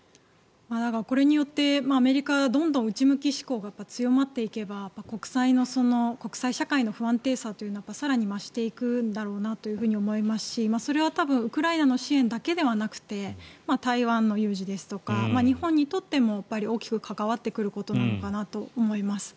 これによってアメリカはどんどん内向き志向が強まっていけば国際社会の不安定さというのが更に増していくんだろうなと思いますしそれは多分ウクライナの支援だけではなくて台湾の有事ですとか日本にとっても大きく関わってくることなのかなと思います。